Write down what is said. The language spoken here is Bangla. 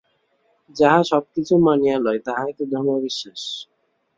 যাহা সব কিছু মানিয়া লয়, তাহাই তো ধর্মবিশ্বাস।